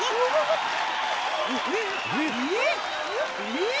えっ？